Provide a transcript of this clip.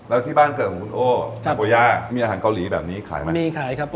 แล้วที่บ้านเกิดเกิดของคุณโอ้นากโกย่ามีอาหารเกาหลีแบบนี้ขายไหม